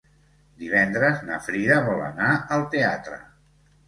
Divendres na Frida vol anar al teatre.